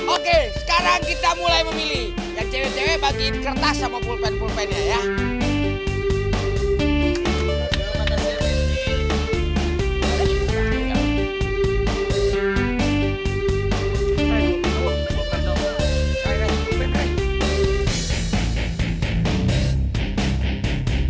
oke sekarang kita mulai memilih